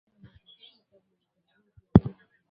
Kinyesi chenye damu au chenye madoadoa meusi